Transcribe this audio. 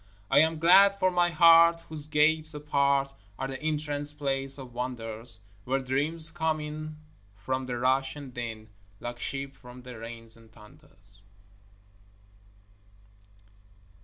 I am glad for my heart whose gates apart Are the entrance place of wonders, Where dreams come in from the rush and din Like sheep from the rains and thunders.